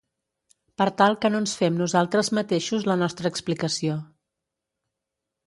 per tal que no ens fem nosaltres mateixos la nostra explicació.